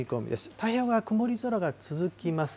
太平洋側、曇り空が続きます。